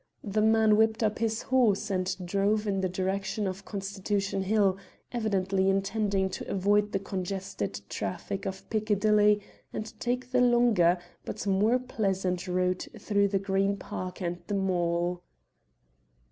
The man whipped up his horse and drove in the direction of Constitution Hill, evidently intending to avoid the congested traffic of Piccadilly and take the longer, but more pleasant, route through the Green Park and the Mall.